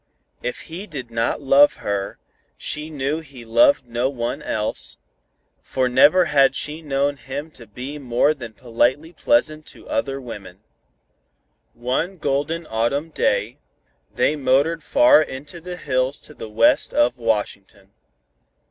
If he did not love her, she knew he loved no one else, for never had she known him to be more than politely pleasant to other women. One golden autumn day, they motored far into the hills to the west of Washington.